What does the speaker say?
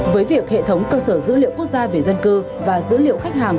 với việc hệ thống cơ sở dữ liệu quốc gia về dân cư và dữ liệu khách hàng